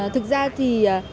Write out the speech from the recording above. thực ra thì